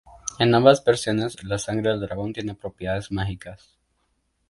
En ambas versiones, la sangre del dragón tiene propiedades mágicas.